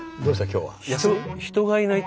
今日は。